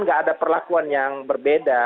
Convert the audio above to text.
nggak ada perlakuan yang berbeda